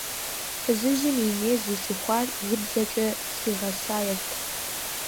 Фызыжьым и ней зыщыхуар гыбзэкӏэ щӏигъэсаерт.